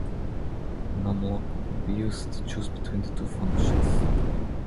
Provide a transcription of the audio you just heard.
Num Lock would be used to choose between the two functions.